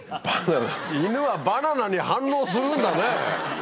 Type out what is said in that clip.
犬はバナナに反応するんだね。